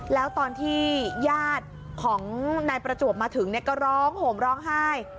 แล้วตอนที่ญาติของนายประจวบมาถึงก็ร้องห่มร้องไห้